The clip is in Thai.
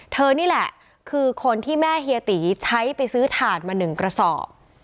นี่แหละคือคนที่แม่เฮียตีใช้ไปซื้อถ่านมา๑กระสอบ